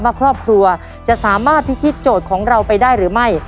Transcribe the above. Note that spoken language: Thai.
ว่าครอบครัวจะสามารถพิธีโจทย์ของเราไปได้หรือไม่